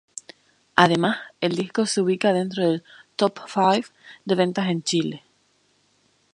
Además, el disco se ubica dentro del "Top Five" de ventas en Chile.